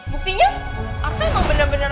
buktinya arka emang bener bener